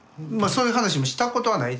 そういう話もしたことはない。